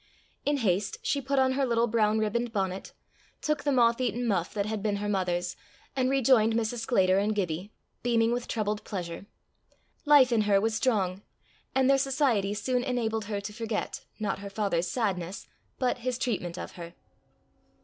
In haste she put on her little brown ribboned bonnet, took the moth eaten muff that had been her mother's, and rejoined Mrs. Sclater and Gibbie, beaming with troubled pleasure. Life in her was strong, and their society soon enabled her to forget, not her father's sadness, but his treatment of her.